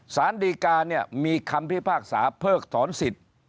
สารดีกาเนี่ยมีคำพิพากษาเพิกถอนสิทธิ์